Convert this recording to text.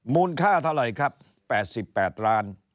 มูลค่าเท่าไหร่ครับ๘๘ล้าน